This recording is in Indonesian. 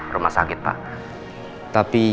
rumah sakit pak tapi